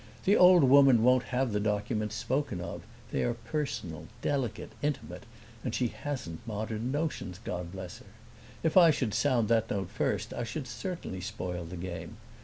The old woman won't have the documents spoken of; they are personal, delicate, intimate, and she hasn't modern notions, God bless her! If I should sound that note first I should certainly spoil the game.